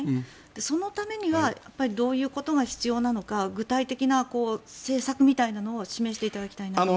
そのためにはどういうことが必要なのか具体的な政策みたいなのを示していただきたいと思います。